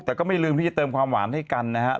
แต่ก็ไม่ลืมที่จะเติมความหวานให้กันนะฮะ